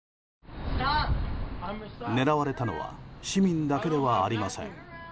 狙われたのは市民だけではありません。